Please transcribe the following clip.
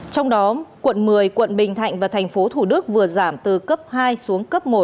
trong đó quận một mươi quận bình thạnh và thành phố thủ đức vừa giảm từ cấp hai xuống cấp một